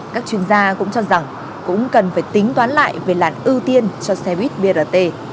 các chuyên gia cũng cho rằng cũng cần phải tính toán lại về làn ưu tiên cho xe buýt brt